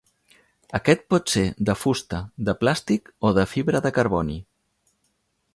Aquest pot ser de fusta, de plàstic o de fibra de carboni.